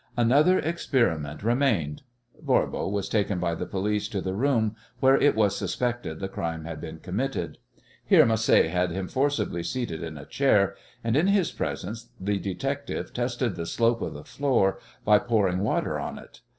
Another experiment remained. Voirbo was taken by the police to the room where it was suspected the crime had been committed. Here Macé had him forcibly seated in a chair, and in his presence the detective tested the slope of the floor by pouring water on it.